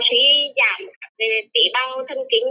sẽ giảm tỷ bao thân kính